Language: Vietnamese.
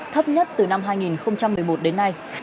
thấp nhất từ năm hai nghìn một mươi một đến nay